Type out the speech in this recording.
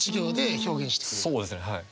そうですねはい。